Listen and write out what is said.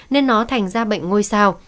nên nó thành ra bệnh ngôi sao